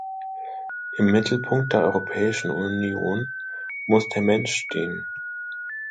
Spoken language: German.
Im Mittelpunkt der Europäischen Union muss der Mensch stehen.